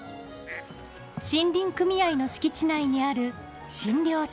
森林組合の敷地内にある診療所。